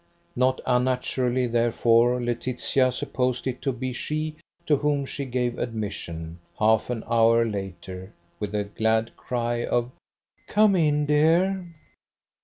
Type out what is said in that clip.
Not unnaturally, therefore, Laetitia supposed it to be she to whom she gave admission, half an hour later, with a glad cry of, "Come in, dear."